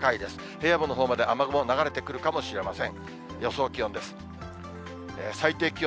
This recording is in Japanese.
平野部のほうまで雨雲流れてくるかもしれません。